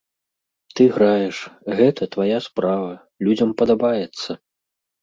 Ты граеш, гэта твая справа, людзям падабаецца.